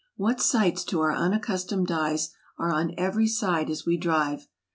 What sights to our unaccustomed eyes are on every side as we drive